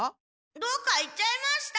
どっか行っちゃいました。